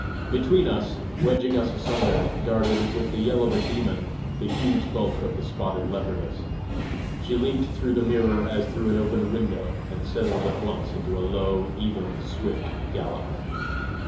Between us, wedging us asunder, darted, with the yell of a demon, the huge bulk of the spotted leopardess. She leaped through the mirror as through an open window, and settled at once into a low, even, swift gallop.